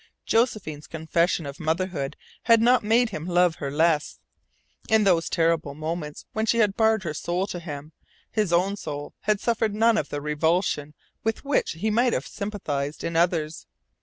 Josephine's confession of motherhood had not made him love her less. In those terrible moments when she had bared her soul to him, his own soul had suffered none of the revulsion with which he might have sympathized in others.